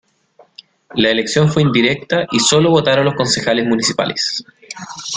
La elección fue indirecta y solo votaron los Concejales Municipales.